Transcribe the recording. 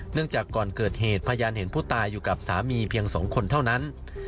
จากก่อนเกิดเหตุพยานเห็นผู้ตายอยู่กับสามีเพียง๒คนเท่านั้น